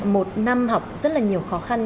một năm học rất là nhiều khó khăn